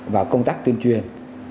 vào công tác tuyên truyền